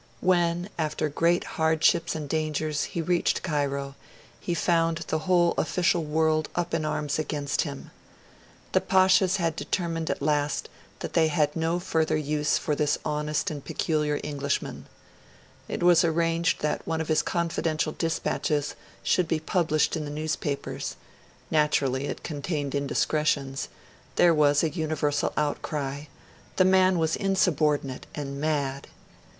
When, after great hardships and dangers, he reached Cairo, he found the whole official world up in arms against him. The Pashas had determined at last that they had no further use for this honest and peculiar Englishman. It was arranged that one of his confidential dispatches should be published in the newspapers; naturally, it contained indiscretions; there was a universal outcry the man was insubordinate, and mad.